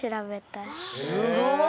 すごい！